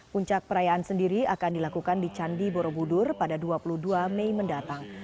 puncak perayaan sendiri akan dilakukan di candi borobudur pada dua puluh dua mei mendatang